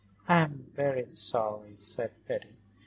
"I'm very sorry," said Betty.